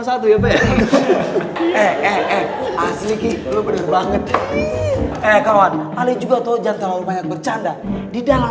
satu ya pak eh eh eh asli banget eh kawan ali juga tahu jangan banyak bercanda di dalam